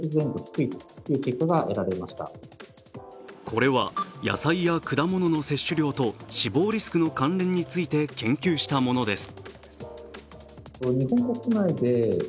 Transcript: これは、野菜や果物の摂取量と死亡リスクの関連について研究したものです。